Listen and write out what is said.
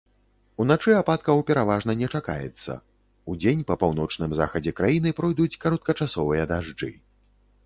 Уначы ападкаў пераважна не чакаецца, удзень па паўночным захадзе краіны пройдуць кароткачасовыя дажджы.